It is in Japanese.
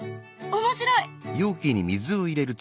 面白い！